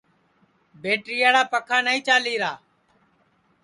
بیٹریاڑا پکھا نائی چالیرا